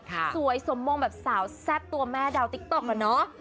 สวยสมมงแบบสาวแซ่บตัวแม่ดาวติ๊กต๊อกอะเนาะ